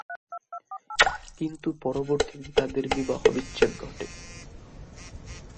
কিন্তু পরবর্তীতে তাঁদের বিবাহ বিচ্ছেদ ঘটে।